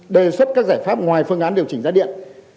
đề xuất các giải pháp ngoài phương án điều chỉnh giá điện